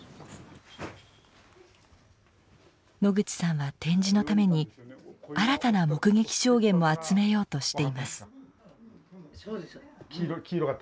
野口さんは展示のために新たな目撃証言も集めようとしています。